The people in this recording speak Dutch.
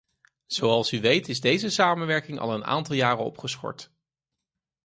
Zoals u weet is deze samenwerking al een aantal jaren opgeschort.